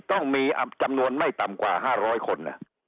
ต้องมีจำนวนไม่ต่ำกว่า๕๐๐คน